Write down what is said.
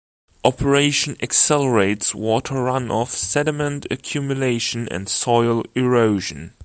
Operation accelerates water run-off, sediment accumulation and soil erosion.